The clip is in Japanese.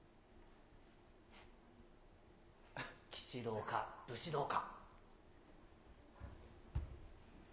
騎士道か、武士道か。